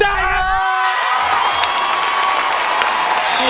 ร้องได้